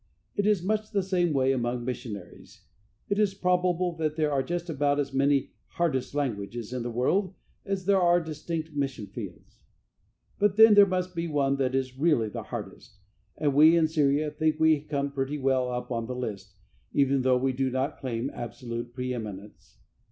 It is much the same way among missionaries. It is probable that there are just about as many "hardest languages" in the world as there are distinct mission fields. But, then, there must be one that is really the hardest, and we in Syria think we come pretty well up on the list, even though we do not claim absolute preëminence.